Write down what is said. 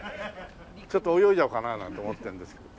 ちょっと泳いじゃおうかななんて思ってるんですけど。